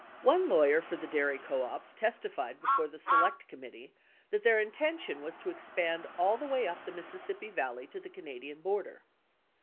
One lawyer for the dairy co ops testified before the Select Commit tee that their intention was to expand all the way up the Mississippi Valley to the Canadian border.